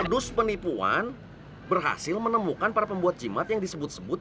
modus penipuan berhasil menemukan para pembuat jimat yang disebut sebut